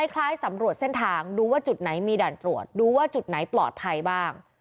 คล้ายสำรวจเส้นทางดูว่าจุดไหนมีด่านตรวจดูว่าจุดไหนปลอดภัยบ้าง